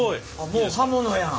もう刃物やん。